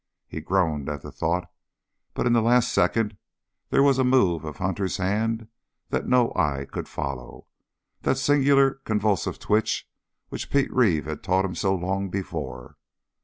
He groaned at the thought, but in the last second, there was a move of Hunter's hand that no eye could follow, that singular convulsive twitch which Pete Reeve had taught him so long before.